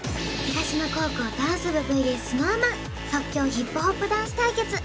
東野高校ダンス部ＶＳＳｎｏｗＭａｎ即興ＨＩＰＨＯＰダンス対決